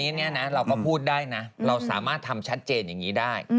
อันนี้เราก็พูดได้นะเราสามารถทำชัดเจนอย่างนี้ได้